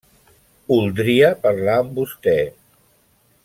oldria parlar amb vostè.